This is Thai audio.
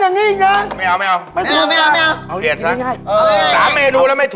นี่